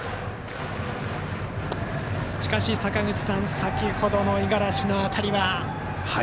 しかし、坂口さん先程の五十嵐の当たりは。